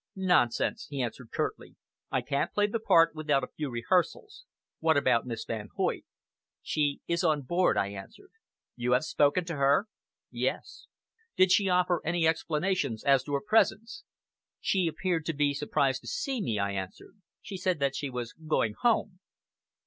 "Nonsense," he answered curtly. "I can't play the part without a few rehearsals. What about Miss Van Hoyt?" "She is on board," I answered. "You have spoken to her?" "Yes!" "Did she offer any explanations as to her presence?" "She appeared to be surprised to see me," I answered. "She said that she was going home."